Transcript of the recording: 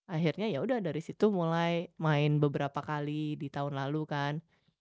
akhirnya yaudah dari situ mulai main beberapa kali di tahun lalu kan